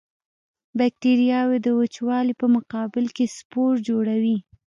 بکټریاوې د وچوالي په مقابل کې سپور جوړوي.